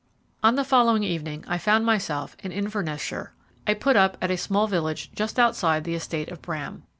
On the following evening I found myself in Inverness shire. I put up at a small village just outside the estate of Bram.